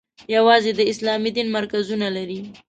یوازې د اسلامي دین مرکزونه لري.